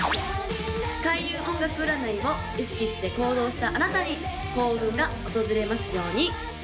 開運音楽占いを意識して行動したあなたに幸運が訪れますように！